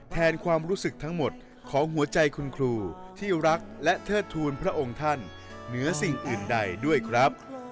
แทนความรู้สึกทั้งหมดของหัวใจคุณครูที่รักและเทิดทูลพระองค์ท่านเหนือสิ่งอื่นใดด้วยครับ